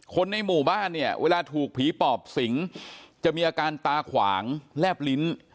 คนในหมู่บ้านเนี่ยเวลาถูกผีปอบสิงจะมีอาการตาขวางแลบลิ้น